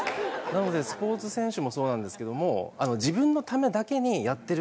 スポーツ選手もそうなんですけど。